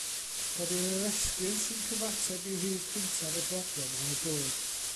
Rhoddir yr esgyrn sy'n cyfateb i rif cyntaf y broblem ar y bwrdd.